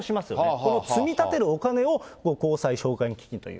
この積み立てるお金を公債償還基金という。